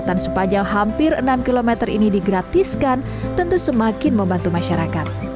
jembatan sepanjang hampir enam km ini digratiskan tentu semakin membantu masyarakat